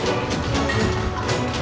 oke yuk yuk